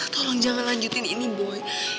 tolong jangan lanjutin ini boy